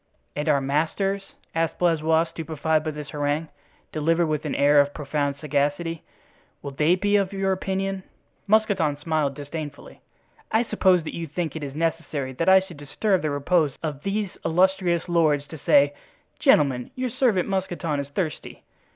"And our masters?" asked Blaisois, stupefied by this harangue, delivered with an air of profound sagacity, "will they be of your opinion?" Mousqueton smiled disdainfully. "I suppose that you think it necessary that I should disturb the repose of these illustrious lords to say, 'Gentlemen, your servant, Mousqueton, is thirsty.